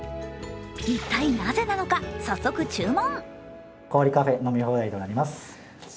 一体なぜなのか、早速注文。